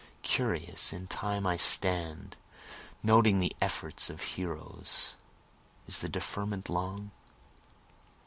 (Curious in time I stand, noting the efforts of heroes, Is the deferment long?